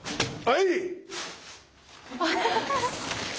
はい！